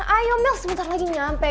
ayo mel sebentar lagi nyampe